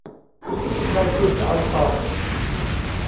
ได้คืบจะเอาศอก